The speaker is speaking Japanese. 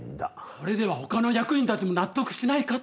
それでは他の役員たちも納得しないかと。